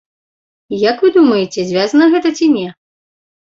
Як вы думаеце, звязана гэта ці не?